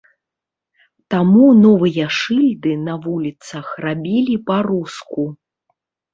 Таму новыя шыльды на вуліцах рабілі па-руску.